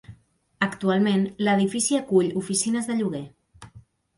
Actualment, l'edifici acull oficines de lloguer.